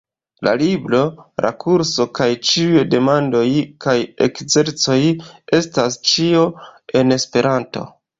La libro, la kurso, kaj ĉiuj demandoj kaj ekzercoj estas ĉio en Esperanto.